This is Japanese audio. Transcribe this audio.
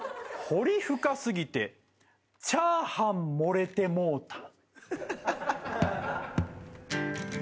「彫り深すぎて、チャーハン盛れてもうた。」